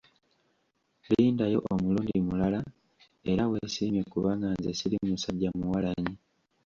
Lindayo omulundi mulala; era weesiimye kubanga nze siri musajja muwalanyi.